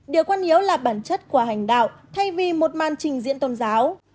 điều quan hiếu là bản chất của hành đạo thay vì một màn trình diễn tôn giáo